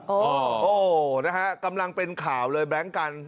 โอ้โหนะฮะกำลังเป็นข่าวเลยแบงค์กัน